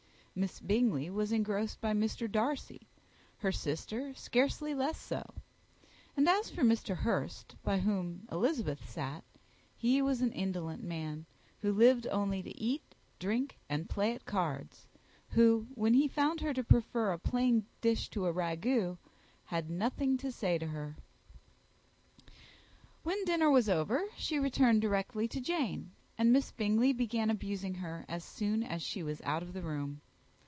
Miss Bingley was engrossed by Mr. Darcy, her sister scarcely less so; and as for Mr. Hurst, by whom Elizabeth sat, he was an indolent man, who lived only to eat, drink, and play at cards, who, when he found her prefer a plain dish to a ragout, had nothing to say to her. When dinner was over, she returned directly to Jane, and Miss Bingley began abusing her as soon as she was out of the room.